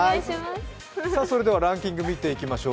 それではランキングを見ていきましょう。